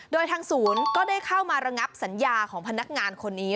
โดยทางศูนย์ก็ได้เข้ามาระงับสัญญาของพนักงานคนนี้